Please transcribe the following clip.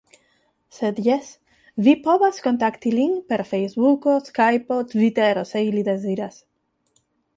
Sed, jes vi povas kontakti lin per fejsbuko, skajpo, tvitero se ili deziras.